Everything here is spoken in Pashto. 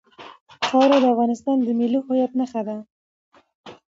خاوره د افغانستان د ملي هویت نښه ده.